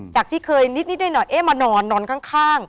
จากที่เคยนิดหน่อยเอ๊ะมานอนนอนข้าง